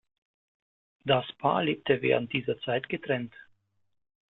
Das Paar lebte während dieser Zeit getrennt.